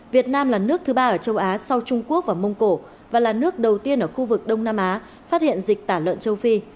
việt nam là nước thứ ba ở châu á sau trung quốc và mông cổ và là nước đầu tiên ở khu vực đông nam á phát hiện dịch tả lợn châu phi